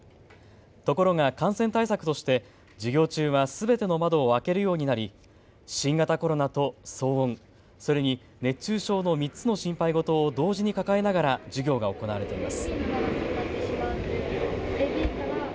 ところが感染対策として授業中はすべての窓を開けるようになり新型コロナと騒音、それに熱中症の３つの心配事を同時に抱えながら授業が行われています。